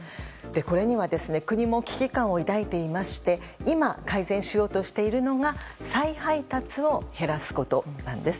これには国も危機感を抱いていまして今、改善しようとしているのが再配達を減らすことなんです。